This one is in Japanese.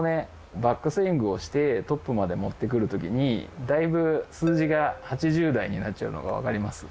バックスイングをしてトップまで持ってくるときにだいぶ数字が８０台になっちゃうのがわかります？